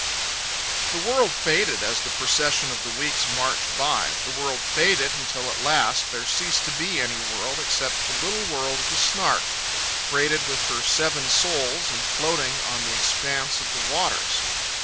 The world faded as the procession of the weeks marched by. The world faded until at last there ceased to be any world except the little world of the Snark, freighted with her seven souls and floating on the expanse of the waters.